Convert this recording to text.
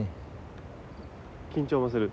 緊張もする？